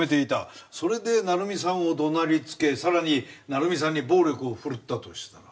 それで成美さんを怒鳴りつけさらに成美さんに暴力を振るったとしたら。